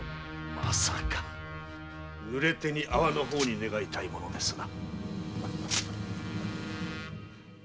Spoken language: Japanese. まさか濡れ手に粟の方に願いたいものですな。